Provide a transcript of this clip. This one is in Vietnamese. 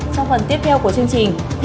trong phần tiếp theo của chương trình